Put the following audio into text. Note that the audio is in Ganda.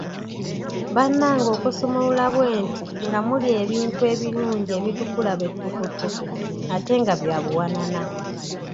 Bannange okusumulula bwenti nga muli ebintu ebirungi ebitukula be ttukuttuku ate nga bya buwanana!